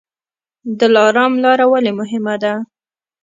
دلارام لاره ولې مهمه ده؟